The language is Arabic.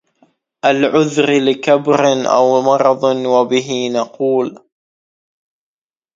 الْعُذْرِ لِكِبَرٍ أَوْ مَرَضٍ وَبِهِ نَقُولُ